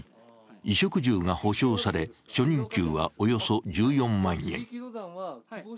衣食住が保証され、初任給はおよそ１４万円。